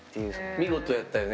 見事やったよね